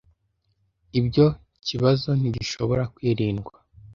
Ibyo kibazo ntigishobora kwirindwa.